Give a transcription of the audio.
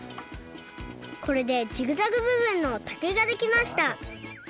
これでジグザグ部分の竹ができました。